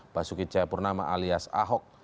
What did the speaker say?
basuki cahapurnama alias ahok